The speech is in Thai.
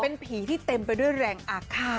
เป็นผีที่เต็มไปด้วยแรงอาฆาต